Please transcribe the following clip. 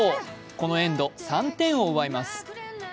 このエンド、３点を奪います。